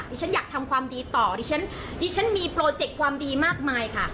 ฉันอยากทำความดีต่อดิฉันดิฉันมีโปรเจกต์ความดีมากมายค่ะ